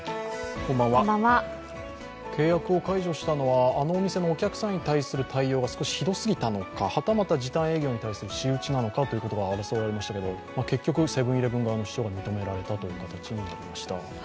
契約を解除したのはあのお店のお客さんに対する対応が少しひどすぎたのか、はたまた時短営業に対する仕打ちなのか争われましたが、結局、セブン‐イレブン側の主張が認められた形になりました。